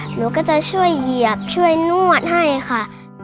หนูก็จะช่วยเหยียบช่วยนวดให้ค่ะ